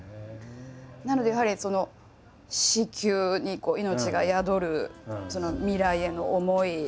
なのでやはり子宮に命が宿るその未来への思い。